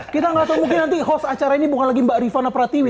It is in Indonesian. kita nggak tahu mungkin nanti host acara ini bukan lagi mbak rifana pratiwi